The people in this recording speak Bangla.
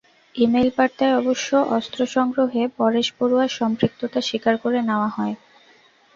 ই-মেইল বার্তায় অবশ্য অস্ত্র সংগ্রহে পরেশ বড়ুয়ার সম্পৃক্ততা স্বীকার করে নেওয়া হয়।